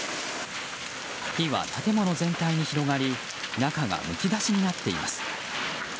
火は建物全体に広がり中がむき出しになっています。